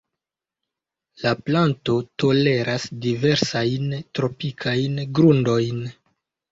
La planto toleras diversajn tropikajn grundojn.